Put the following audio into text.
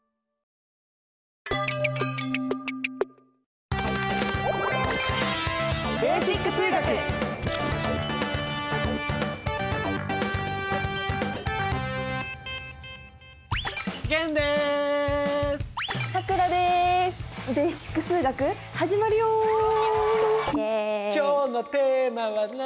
「今日のテーマは何かな」